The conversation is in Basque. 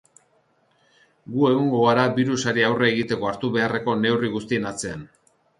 Gu egongo gara birusari aurre egiteko hartu beharreko neurri guztien atzean.